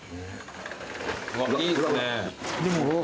いいですね。